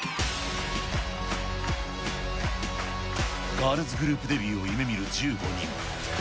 ガールズグループデビューを夢みる１５人。